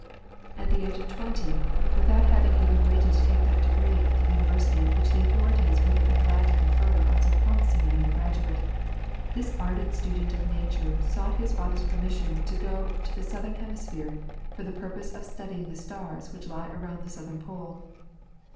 At the age of twenty, without having even waited to take that degree at the university which the authorities would have been glad to confer on so promising an undergraduate, this ardent student of Nature sought his father's permission to go to the southern hemisphere for the purpose of studying the stars which lie around the southern pole.